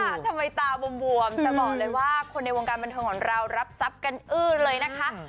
ทำไมตาบวมแต่บอกเลยว่าคนในวงการบันเทิงของเรารับทรัพย์กันอื้อเลยนะคะ